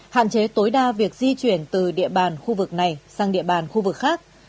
hạn chế tối đa việc di chuyển từ địa bàn khu vực này sang địa bàn khu vực khác